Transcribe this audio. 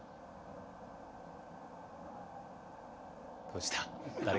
どうした？